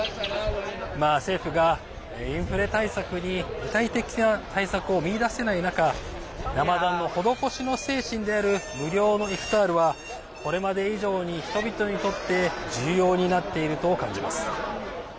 政府がインフレ対策に具体的な対策を見いだせない中ラマダンの施しの精神である無料のイフタールはこれまで以上に人々にとって重要になっていると感じます。